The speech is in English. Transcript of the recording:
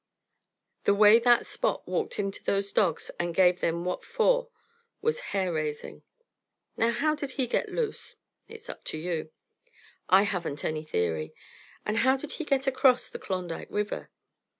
The way that Spot walked into those dogs and gave them what for was hair raising. Now how did he get loose? It's up to you. I haven't any theory. And how did he get across the Klondike River?